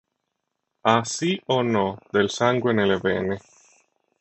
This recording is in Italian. Ha sì o no del sangue nelle vene?